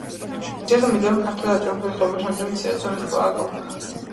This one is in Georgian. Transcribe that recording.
ძირითადად მიედინება ფართო დაჭაობებულ ხეობაში, რამდენიმე მცირე ზომის ტბის გავლით.